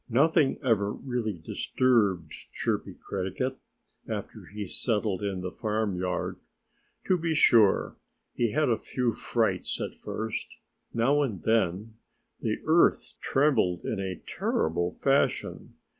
Nothing ever really disturbed Chirpy Cricket after he settled in the farmyard. To be sure, he had a few frights at first. Now and then the earth trembled in a terrible fashion.